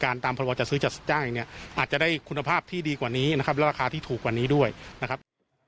อาจจะได้คุณภาพที่ดีกว่านี้ครับและราคาที่ถูกกว่านี้ด้วยนะครับ